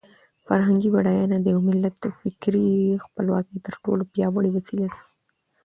فرهنګي بډاینه د یو ملت د فکري خپلواکۍ تر ټولو پیاوړې وسله ده.